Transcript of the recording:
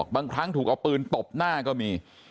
บางครั้งถูกเอาปืนตบหน้าก็มี